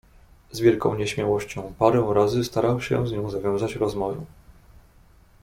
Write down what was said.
"Z wielką nieśmiałością parę razy starał się z nią zawiązać rozmowę."